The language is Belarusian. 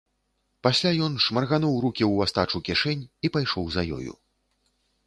Пасля ён шмаргануў рукі ў астачу кішэнь і пайшоў за ёю.